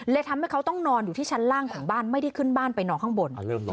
ทำให้เขาต้องนอนอยู่ที่ชั้นล่างของบ้านไม่ได้ขึ้นบ้านไปนอนข้างบน